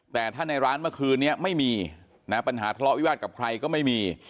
แต่ถ้าในร้านเมื่อคืนนี้ไม่มีนะปัญหาทะเลาะวิวาสกับใครก็ไม่มี